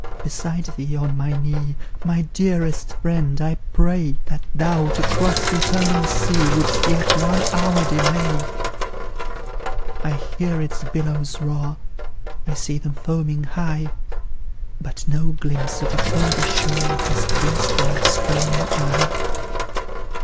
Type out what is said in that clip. Beside thee, on my knee, My dearest friend, I pray That thou, to cross the eternal sea, Wouldst yet one hour delay: I hear its billows roar I see them foaming high; But no glimpse of a further shore Has blest my straining eye.